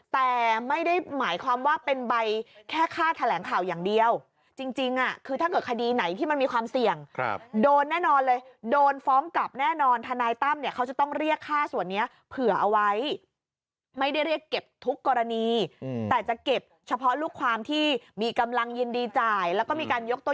แต่ไม่ได้หมายความว่าเป็นใบแค่ค่าแถลงข่าวอย่างเดียวจริงคือถ้าเกิดคดีไหนที่มันมีความเสี่ยงโดนแน่นอนเลยโดนฟ้องกลับแน่นอนทนายตั้มเนี่ยเขาจะต้องเรียกค่าส่วนนี้เผื่อเอาไว้ไม่ได้เรียกเก็บทุกกรณีแต่จะเก็บเฉพาะลูกความที่มีกำลังยินดีจ่ายแล้วก็มีการยกตัว